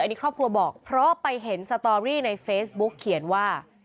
อันนี้ครอบครัวบอกเพราะไปเห็นสตอรี่ในเฟซบุ๊กเขียนว่า